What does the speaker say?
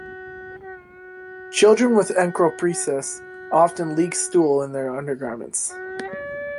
Children with encopresis often leak stool into their undergarments.